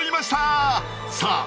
さあ！